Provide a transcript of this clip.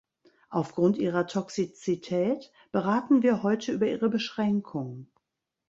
Aufgrund ihrer Toxizität beraten wir heute über ihre Beschränkung.